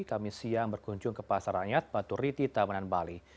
kami siang berkunjung ke pasar rakyat batu riti tamanan bali